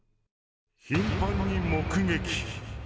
頻繁に目撃。